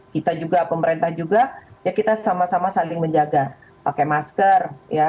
kita juga pemerintah juga ya kita sama sama saling menjaga pakai masker